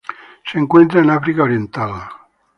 Se encuentra en África oriental.